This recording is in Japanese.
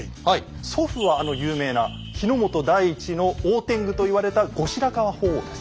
祖父はあの有名な「日本第一の大天狗」と言われた後白河法皇です。